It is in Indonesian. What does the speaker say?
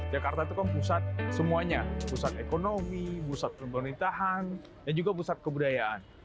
jakarta itu kan pusat semuanya pusat ekonomi pusat pemerintahan dan juga pusat kebudayaan